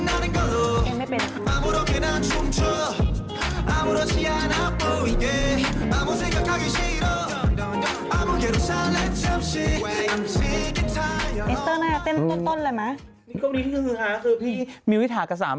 นี่ก็นี่มึงค่ะเพราะที่มีวิทยาแก่สามี